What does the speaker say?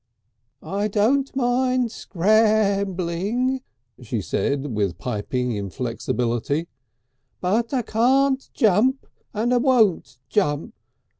"I don't mind scrambling," she said with piping inflexibility, "but I can't jump and I wunt jump."